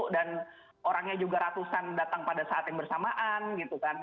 dan orangnya juga ratusan datang pada saat yang bersamaan gitu kan